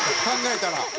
考えたら。